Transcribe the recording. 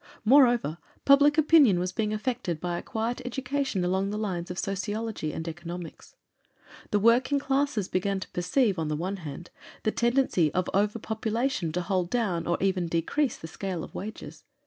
Moreover, public opinion was being affected by a quiet education along the lines of sociology and economics. The working classes began to perceive, on the one hand, the tendency of overpopulation to hold down, or even decrease, the scale of wages.